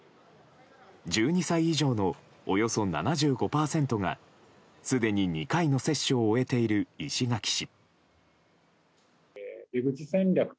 １２歳以上のおよそ７５％がすでに２回の接種を終えている石垣市。